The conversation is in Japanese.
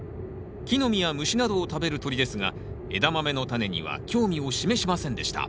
木の実や虫などを食べる鳥ですがエダマメのタネには興味を示しませんでした。